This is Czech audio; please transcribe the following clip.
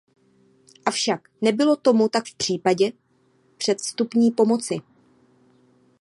Avšak nebylo tomu tak v případě předvstupní pomoci.